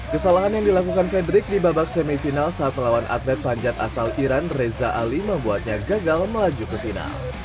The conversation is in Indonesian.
kesalahan yang dilakukan fedrik di babak semifinal saat melawan atlet panjat asal iran reza ali membuatnya gagal melaju ke final